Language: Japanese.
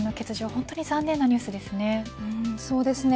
本当に残念なニュースですね。